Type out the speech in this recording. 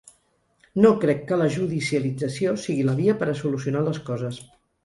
No crec que la judicialització sigui la via per a solucionar les coses.